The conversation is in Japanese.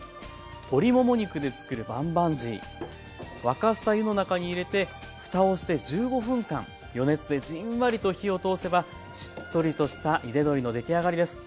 沸かした湯の中に入れてふたをして１５分間余熱でじんわりと火を通せばしっとりとしたゆで鶏の出来上がりです。